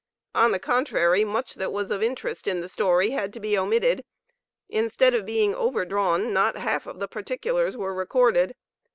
On the contrary, much that was of interest in the story had to be omitted. Instead of being overdrawn, not half of the particulars were recorded.